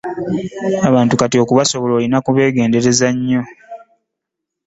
Abantu kati okubasobola olina kubeegendereza nnyo.